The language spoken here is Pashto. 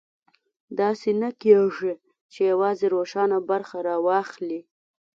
داسې نه کېږي چې یوازې روښانه برخه راواخلي.